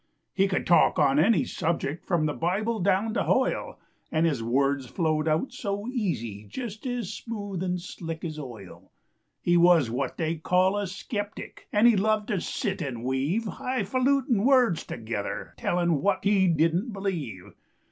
He could talk on any subject From the Bible down to Hoyle, And his words flowed out so easy, Just as smooth and slick as oil, He was what they call a skeptic, And he loved to sit and weave Hifalutin' words together Tellin' what he didn't believe.